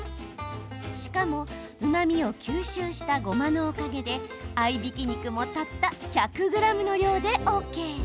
しかも、うまみを吸収したごまのおかげで合いびき肉もたった１００ｇの量でＯＫ。